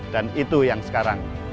dan itu yang sekarang